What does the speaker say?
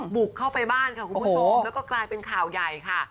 บุกเข้าไปบ้านค่ะคุณผู้ชมแล้วก็กลายเป็นข่าวใหญ่ค่ะ